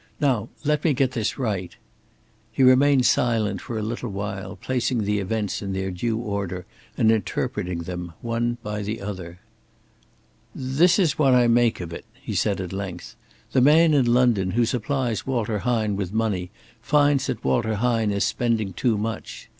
Now let me get this right!" He remained silent for a little while, placing the events in their due order and interpreting them, one by the other. "This is what I make of it," he said at length. "The man in London who supplies Walter Hine with money finds that Walter Hine is spending too much.